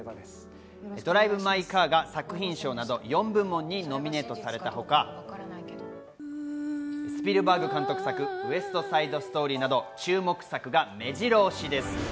『ドライブ・マイ・カー』が作品賞など４部門にノミネートされたほか、スピルバーグ監督作『ウエスト・サイド・ストーリー』など、注目作が目白押しです。